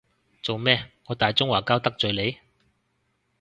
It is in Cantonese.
做咩，我大中華膠得罪你？